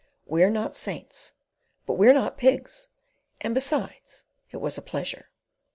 We're not saints, but we're not pigs, and, besides, it was a pleasure."